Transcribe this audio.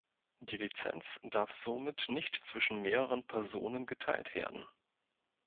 Die Lizenz darf somit nicht zwischen mehreren Personen geteilt werden.